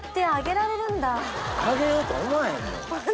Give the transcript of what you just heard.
揚げようと思わへんもん。